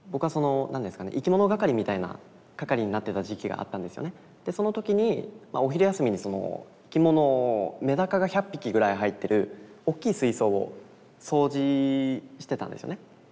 僕はその何ですかねでその時にお昼休みに生き物メダカが１００匹ぐらい入ってるおっきい水槽を掃除してたんですよね。